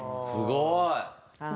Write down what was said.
すごい！